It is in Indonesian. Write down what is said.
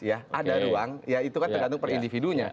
ada ruang ya itu kan tergantung per individunya